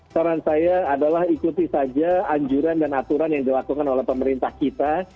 saran saya adalah ikuti saja anjuran dan aturan yang dilakukan oleh pemerintah kita